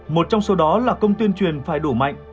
một trong số đó là công tuyên truyền phải đủ mạnh